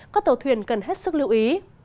các tàu thuyền cần hết sức lưu ý